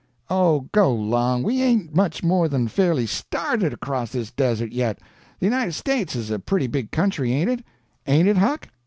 "Oh, go 'long! we ain't much more than fairly started across this Desert yet. The United States is a pretty big country, ain't it? Ain't it, Huck?"